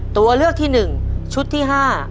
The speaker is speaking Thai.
ตัวเลือกที่๑ชุดที่๕